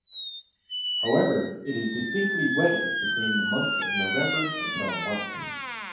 However, it is distinctly wettest between the months of November until March.